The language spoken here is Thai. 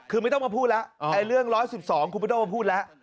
คือไม่ต้องมาพูดแล้วเรื่อง๑๑๒คุณไม่ต้องมาพูดแล้ว